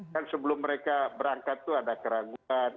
kan sebelum mereka berangkat tuh ada keraguan